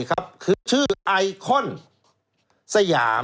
คือชื่อไอคอนสยาม